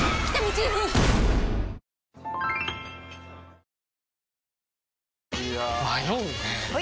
いや迷うねはい！